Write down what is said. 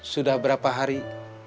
sudah berapa hari